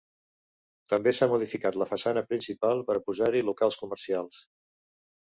També s'ha modificat la façana principal per a posar-hi locals comercials.